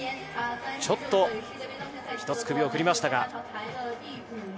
ちょっとひとつ首を振りましたが。